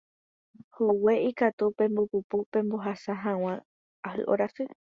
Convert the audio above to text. hogue ikatu pembopupu pembohasa hag̃ua ahy'orasy